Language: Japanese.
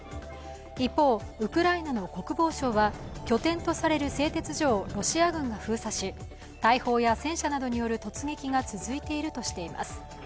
一方、ウクライナの国防省は拠点とされる製鉄所をロシア軍が封鎖し、大砲や戦車などによる突撃が続いているとしています。